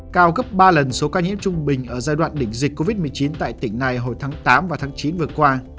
cao gấp ba lần số ca nhiễm trung bình ở giai đoạn đỉnh dịch covid một mươi chín tại tỉnh này hồi tháng tám và tháng chín vừa qua